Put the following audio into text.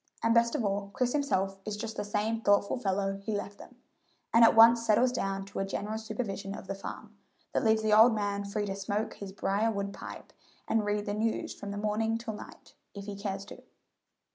And best of all, Chris himself is just the same thoughtful fellow he left them, and at once settles down to a general supervision of the farm, that leaves the old man free to smoke his brier wood pipe and read the news from morning till night, if he cares to.